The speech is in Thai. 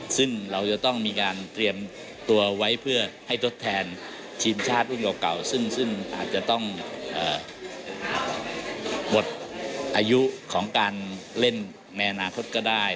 ซึ่งเราจะต้องมีการเตรียมตัวไว้เพื่อให้ทดแทนทีมชาติรุ่นเก่าซึ่งอาจจะต้องหมดอายุของการเล่นในอนาคตก็ได้